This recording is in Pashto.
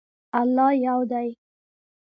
الله یو دی